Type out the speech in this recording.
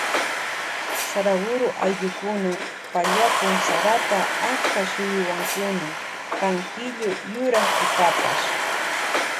Saraguro ayllukuna pallakun sarata achka shuyuwankuna kan killu yurak pukapash.